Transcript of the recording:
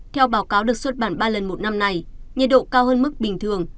theo báo cáo được xuất bản ba lần một năm này nhiệt độ cao hơn mức bình thường